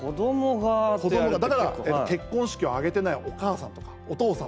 だから結婚式を挙げてないお母さんとか、お父さんとか。